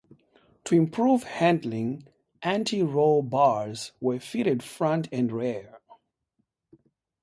To improve handling anti-roll bars were fitted front and rear.